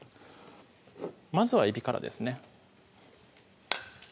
まずはえびからですね